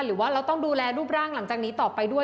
หรือว่าเราต้องดูแลรูปร่างหลังจากนี้ต่อไปด้วย